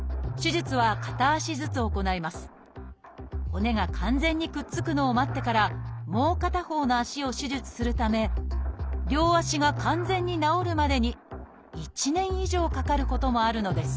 骨が完全にくっつくのを待ってからもう片方の足を手術するため両足が完全に治るまでに１年以上かかることもあるのです。